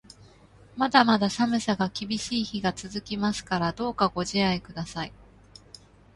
まだまだ寒さが厳しい日が続きますから、どうかご自愛ください。